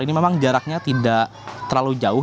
ini memang jaraknya tidak terlalu jauh